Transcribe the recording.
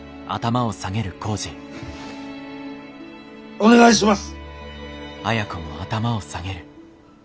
お願いします。